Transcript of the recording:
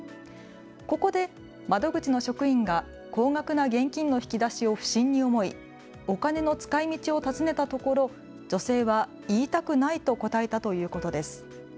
ここで窓口の職員が高額な現金の引き出しを不審に思いお金の使いみちを尋ねたところ女性は言いたくないと答えたということです。